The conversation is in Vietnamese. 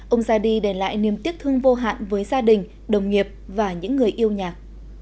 ông ra đi để lại niềm tiếc thương vô hạn với gia đình đồng nghiệp và những người yêu nhạc